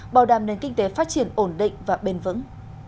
bảo đảm nền kinh tế phát triển ổn định và bền vững